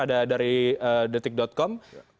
ada dari detik com